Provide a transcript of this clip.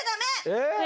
えっ？